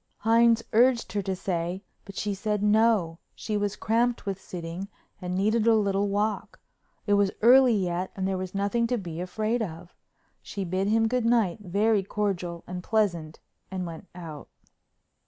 Hines urged her to stay but she said no, she was cramped with sitting and needed a little walk; it was early yet and there was nothing to be afraid of. She bid him good night very cordial and pleasant and went out.